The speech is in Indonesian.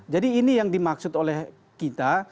jadi ini yang dimaksud oleh kita